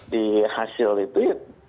di hasil itu